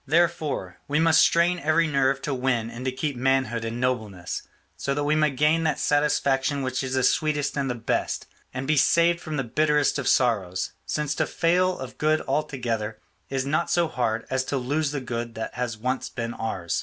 Therefore, we must strain every nerve to win and to keep manhood and nobleness; so that we may gain that satisfaction which is the sweetest and the best, and be saved from the bitterest of sorrows; since to fail of good altogether is not so hard as to lose the good that has once been ours.